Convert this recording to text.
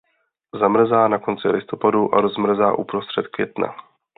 Zamrzá na konci listopadu a rozmrzá uprostřed května.